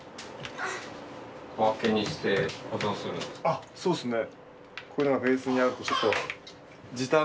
あっそうですね。